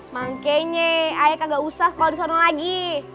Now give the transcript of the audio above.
makenye eh kagak usah sekolah di sana lagi